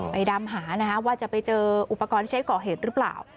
ดำหานะคะว่าจะไปเจออุปกรณ์ที่ใช้ก่อเหตุหรือเปล่า